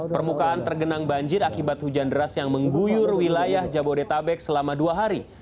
permukaan tergenang banjir akibat hujan deras yang mengguyur wilayah jabodetabek selama dua hari